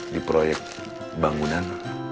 di proyek bangunan